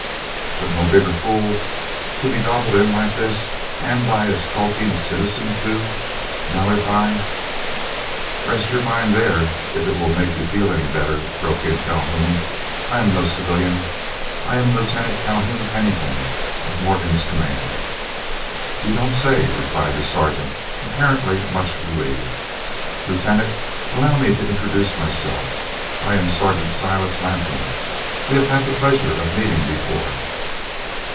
"But no bigger fool. To be gobbled in like this, and by a blamed skulking citizen, too. Now, if—" "Rest your mind there, if it will make you feel any better," broke in Calhoun, "I am no civilian, I am Lieutenant Calhoun Pennington of Morgan's command." "You don't say," replied the sergeant, apparently much relieved. "Lieutenant, allow me to introduce myself. I am Sergeant Silas Latham. We have had the pleasure of meeting before."